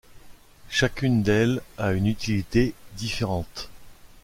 Chacune d'elles a une utilité différente.